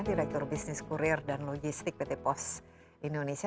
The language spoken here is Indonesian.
direktur bisnis kurir dan logistik pt pos indonesia